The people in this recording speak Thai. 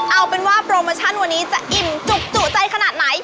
เอาเป็นว่าโปรโมชั่นวันนี้จะอิ่มจุกจุใจขนาดไหน